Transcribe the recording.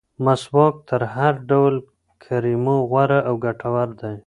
مسواک تر هر ډول کریمو غوره او ګټور دی.